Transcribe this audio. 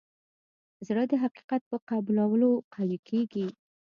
زړه د حقیقت په قبلولو قوي کېږي.